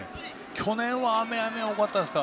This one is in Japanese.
去年は雨が多かったんですが。